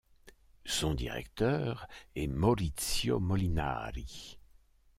Son directeur est Maurizio Molinari.